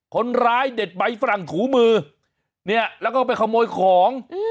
คนร้ายเด็ดใบฝรั่งถูมือเนี่ยแล้วก็ไปขโมยของ